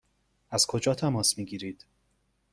از کجا تماس می گیرید؟